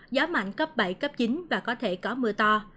gió mạnh cấp bảy cấp chín và có thể có mưa to